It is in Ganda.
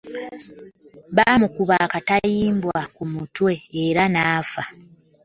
Baamukuba akatayimbwa ku mutwe era nafa.